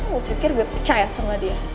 gue pikir gue pecah ya sama dia